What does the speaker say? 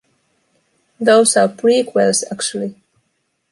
Those are prequels, actually.